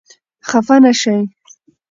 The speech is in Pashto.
خفه نه شئ !